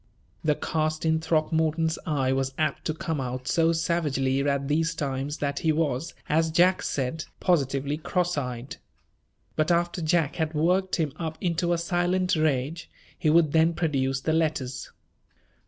The cast in Throckmorton's eye was apt to come out so savagely at these times that he was, as Jack said, positively cross eyed. But after Jack had worked him up into a silent rage, he would then produce the letters.